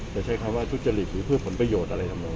ใช้คำว่าทุจริตหรือเพื่อผลประโยชน์อะไรทำนอ